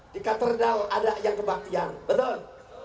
di katedral ada yang kebaktian betul